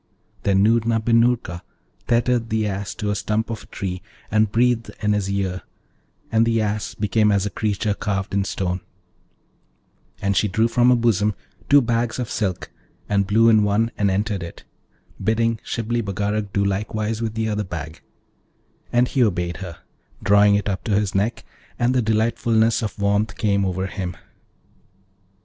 Then Noorna bin Noorka tethered the Ass to a stump of a tree and breathed in his ear, and the Ass became as a creature carved in stone; and she drew from her bosom two bags of silk, and blew in one and entered it, bidding Shibli Bagarag do likewise with the other bag; and he obeyed her, drawing it up to his neck, and the delightfulness of warmth came over him.